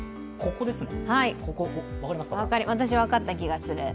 私、分かった気がする。